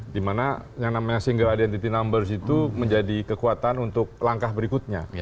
dimana yang namanya single identity numbers itu menjadi kekuatan untuk langkah berikutnya